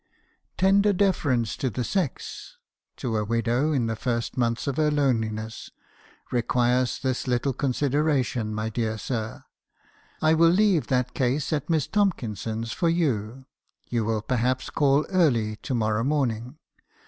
"' Tender deference to the sex, — to a widow in the first months of her loneliness, — requires this little consideration, my dear sir. I will leave that case at Miss Tomkinson's for you ; you will perhaps call early to morrow morning.